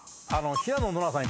［平野ノラさんは］